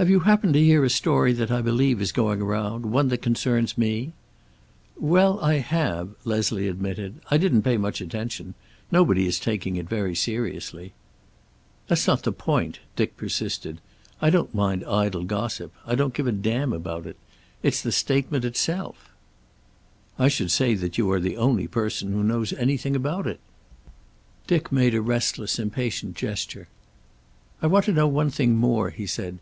"Have you happened to hear a story that I believe is going round? One that concerns me?" "Well, I have," Leslie admitted. "I didn't pay much attention. Nobody is taking it very seriously." "That's not the point," Dick persisted. "I don't mind idle gossip. I don't give a damn about it. It's the statement itself." "I should say that you are the only person who knows anything about it." Dick made a restless, impatient gesture. "I want to know one thing more," he said.